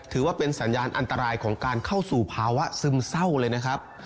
ถือว่าเป็นสัญญาณอันตรายของการเข้าสู่ภาวะซึมเศร้าเลยนะครับ